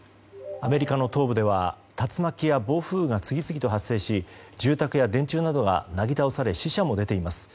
アメリカの東部では竜巻や暴風雨が次々と発生し住宅や電柱などがなぎ倒され死者も出ています。